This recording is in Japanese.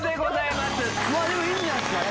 まあでもいいんじゃないですか？